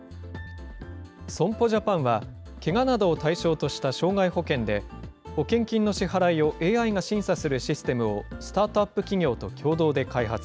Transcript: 損保ジャパンは、けがなどを対象とした傷害保険で、保険金の支払いをＡＩが審査するシステムを、スタートアップ企業と共同で開発。